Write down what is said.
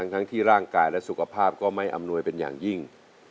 ทั้งที่ร่างกายและสุขภาพก็ไม่อำนวยเป็นอย่างยิ่ง